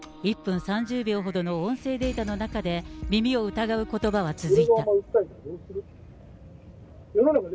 １分３０秒ほどの音声データの中で、耳を疑うことばは続いた。